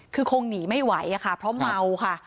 คือคงหนีไม่ไหวค่ะเพราะเมาค่ะ